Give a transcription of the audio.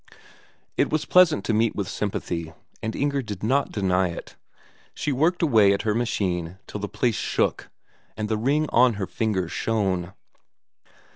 It was pleasant to meet with sympathy, and Inger did not deny it. She worked away at her machine till the place shook, and the ring on her finger shone.